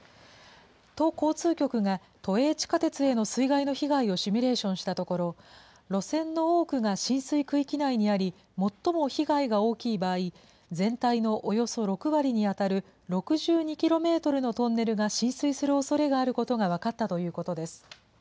都交通局が都営地下鉄への水害の被害をシミュレーションしたところ、路線の多くが浸水区域内にあり、最も被害が大きい場合、全体のおよそ６割に当たる６２キロメートルのトンネルが浸水するおそれがあることが分かったということです。